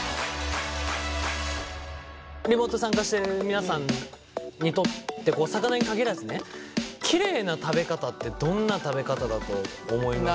リモート参加してる皆さんにとって魚に限らずねキレイな食べ方ってどんな食べ方だと思いますかね？